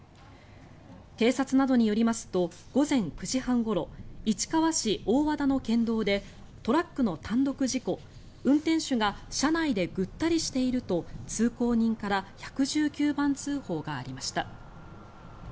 警察などによりますと午前９時半ごろ市川市大和田の県道でトラックの単独事故運転手が車内でぐったりしていると通行人から１１９番通報がありました。